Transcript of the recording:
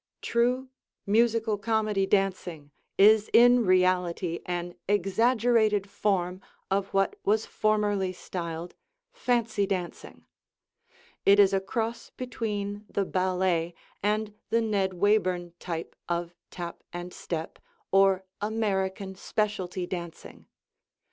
True Musical Comedy dancing is in reality an exaggerated form of what was formerly styled "fancy dancing." It is a cross between the ballet and the Ned Wayburn type of tap and step or American specialty dancing.